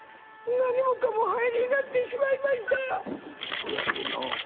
「そうやてな。